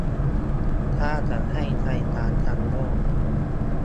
ถ้าจะให้ไทยตามทันโลก